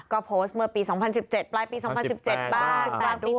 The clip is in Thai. ก็โพสต์เมื่อปี๒๐๑๗ปลายปี๒๐๑๗บ้าง